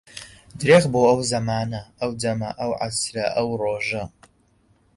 درێخ بۆ ئەو زەمانە، ئەو دەمە، ئەو عەسرە، ئەو ڕۆژە